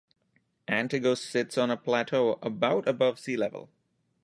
Antigo sits on a plateau about above sea level.